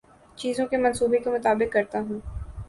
چیزوں کے منصوبے کے مطابق کرتا ہوں